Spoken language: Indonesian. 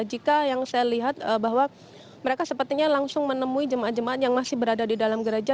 jika yang saya lihat bahwa mereka sepertinya langsung menemui jemaat jemaat yang masih berada di dalam gereja